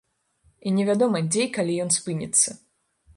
І не вядома, дзе і калі ён спыніцца.